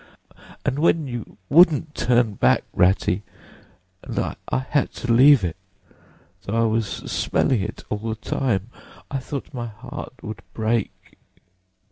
—and when you wouldn't turn back, Ratty—and I had to leave it, though I was smelling it all the time—I thought my heart would break.